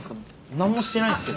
何もしてないんですけど。